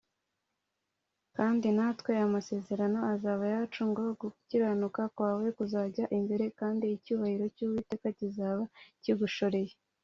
kandi natwe aya masezerano azaba ayacu ngo, “gukiranuka kwawe kuzakujya imbere, kandi icyubahiro cy’uwiteka kizaba kigushoreye